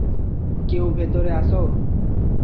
কেউ ভেতরে আছো?